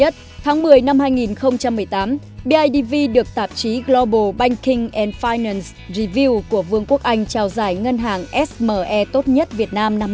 tháng một mươi năm hai nghìn một mươi tám bidv được tạp chí global banking an finance review của vương quốc anh trao giải ngân hàng sme tốt nhất việt nam năm hai nghìn một mươi chín